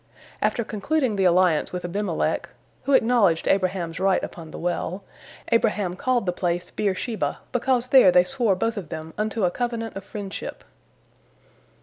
" After concluding the alliance with Abimelech, who acknowledged Abraham's right upon the well, Abraham called the place Beer sheba, because there they swore both of them unto a covenant of friendship.